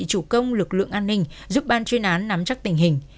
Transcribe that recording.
chủ công lực lượng an ninh giúp ban chuyên án nắm chắc tình hình